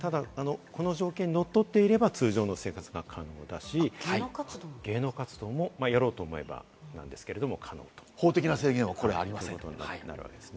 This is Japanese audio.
この条件にのっとっていれば、通常の生活が可能だし、芸能活動もやろうと思えば、なんですけれども可能ということです。